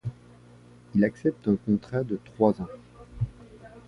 Il accepte un contrat de trois ans.